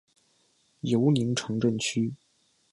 尤宁城镇区。